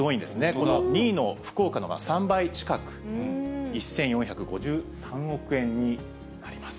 この２位の福岡の３倍近く、１４５３億円になります。